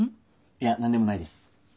いや何でもないです。